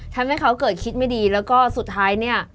ทำให้เขาเกิดคิดไม่ดีแล้วก็สุดท้ายเนี่ย